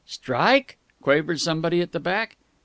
"Strike?" quavered somebody at the back.